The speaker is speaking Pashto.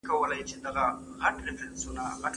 که قواعد ومنې نو لیکنه دې صفا ده.